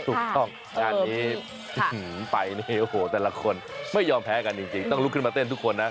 ถูกต้องจ้านนี้ไปแต่ละคนไม่ยอมแพ้กันจริงต้องลุกขึ้นมาเต้นทุกคนนะ